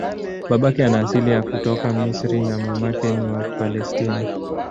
Babake ana asili ya kutoka Misri na mamake ni wa Palestina.